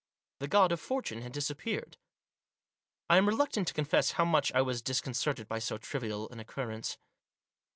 The God of Fortune had disappeared. I am reluctant to confess how much I was dis concerted by so trivial an occurrence.